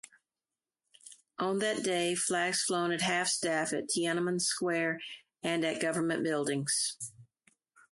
On that day, flags flown at half-mast at Tiananmen Square and at government buildings.